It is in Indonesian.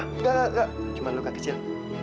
enggak enggak cuma luka kecil